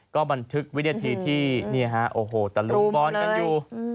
ก็บันทึกวินาทีที่โอ้โหตะลุมบอลกันอยู่